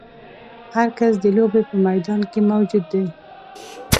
هر کس د لوبې په میدان کې موجود دی.